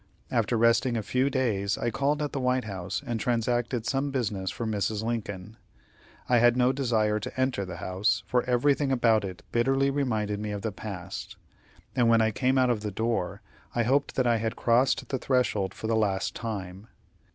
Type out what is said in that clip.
After resting a few days, I called at the White House, and transacted some business for Mrs. Lincoln. I had no desire to enter the house, for everything about it bitterly reminded me of the past; and when I came out of the door, I hoped that I had crossed the threshold for the last time.